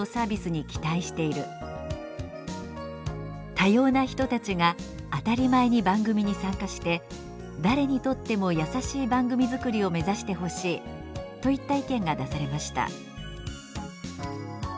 「多様な人たちが当たり前に番組に参加して誰にとってもやさしい番組作りを目指してほしい」といった意見が出されました。